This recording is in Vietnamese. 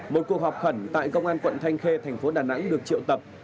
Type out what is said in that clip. một cuộc họp khẩn tại công an quận thanh khê thành phố đà nẵng được triệu tập